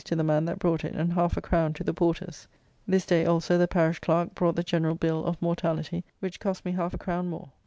to the man that brought it, and half a crown to the porters. This day also the parish clerk brought the general bill of mortality, which cost me half a crown more.